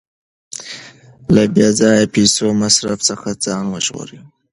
له بې ځایه پیسو مصرف څخه ځان وژغورئ.